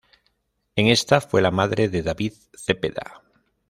En esta fue la madre de David Zepeda.